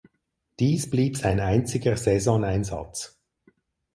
Dies blieb sein einziger Saisoneinsatz.